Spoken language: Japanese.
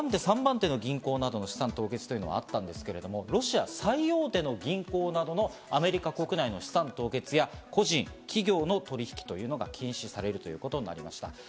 ２番手、３番手の銀行などの資産凍結は今まであったんですが、ロシア最大手の銀行などのアメリカ国内の資産凍結や個人、企業との取引というのが禁止されるということになりました。